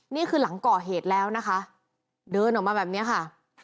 นี่คือหลังก่อเหตุแล้วนะคะเดินออกมาแบบนี้ค่ะ